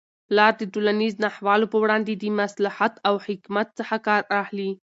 پلار د ټولنیزو ناخوالو په وړاندې د مصلحت او حکمت څخه کار اخلي.